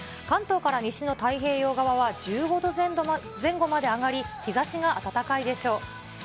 関東から西の太平洋側は１５度前後まで上がり、日ざしが暖かいでしょう。